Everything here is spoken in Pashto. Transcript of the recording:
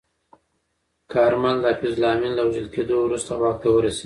کارمل د حفیظالله امین له وژل کېدو وروسته واک ته ورسید.